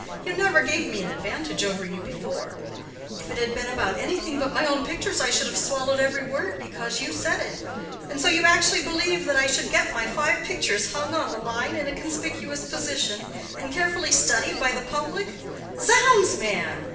You never gave me an advantage over you before. If it had been about anything but my own pictures, I should have swallowed every word because you said it. And so you actually believe that I should get my five pictures hung on the line in a conspicuous position, and carefully studied by the public? Zounds, man!